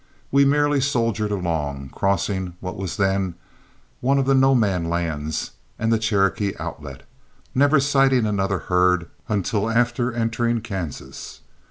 We merely soldiered along, crossing what was then one of the No man's lands and the Cherokee Outlet, never sighting another herd until after entering Kansas.